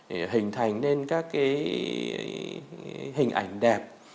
để hình thành nên các cái hình ảnh đẹp